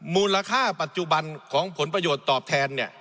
มูลค่าปัจจุบันของผลประโยชน์ตอบแทนเนี่ย